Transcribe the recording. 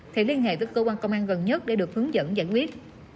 thì liên hệ với cơ quan công an gần nhất để được hướng dẫn giải quyết